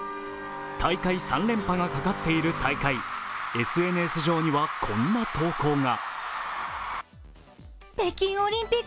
大会３連覇がかかっている大会、ＳＮＳ上にはこんな投稿が。